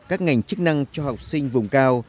các ngành chức năng cho học sinh vùng cao